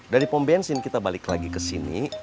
dari pom bensin kita balik lagi ke sini